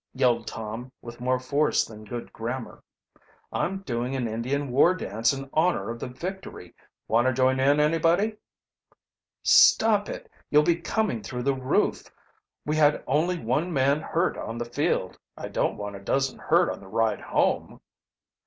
yelled Tom, with more force than good grammar. "I'm doing an Indian war dance in honor of the victory. Want to join in, anybody?" "Stop it; you'll be coming through the roof. We had only one man hurt on the field; I don't want a dozen hurt on the ride home."